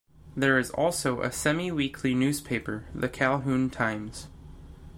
There is also a semi-weekly newspaper, "The Calhoun Times"